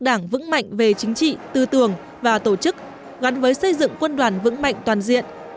đảng vững mạnh về chính trị tư tưởng và tổ chức gắn với xây dựng quân đoàn vững mạnh toàn diện